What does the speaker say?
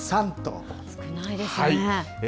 少ないですね。